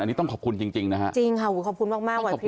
อันนี้ต้องขอบคุณจริงนะครับ